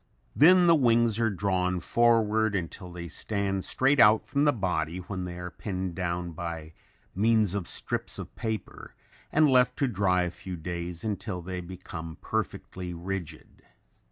Then the wings are drawn forward until they stand straight out from the body when they are pinned down by means of strips of paper and left to dry a few days until they become perfectly rigid.